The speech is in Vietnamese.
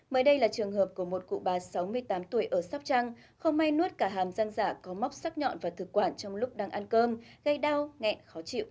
mới đây là trường hợp của một cụ bà sáu mươi tám tuổi ở sóc trăng không may nuốt cả hàm dân giả có móc sắc nhọn và thực quản trong lúc đang ăn cơm gây đau ngẹn khó chịu